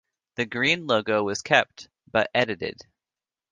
The green logo was kept but edited.